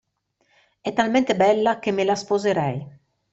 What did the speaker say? È talmente bella che me la sposerei.